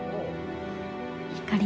ひかり